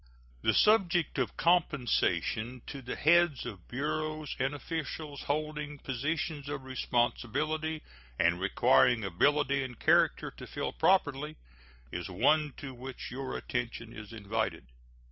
The subject of compensation to the heads of bureaus and officials holding positions of responsibility, and requiring ability and character to fill properly, is one to which your attention is invited.